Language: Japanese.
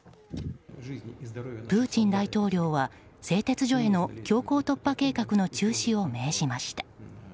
プーチン大統領は製鉄所への強行突破計画の中止を命じました。